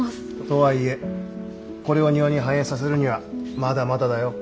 とはいえこれを庭に反映させるにはまだまだだよ。